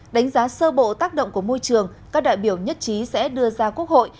đánh giá sơ bộ tác động của môi trường các đại biểu nhất trí sẽ đưa ra quốc hội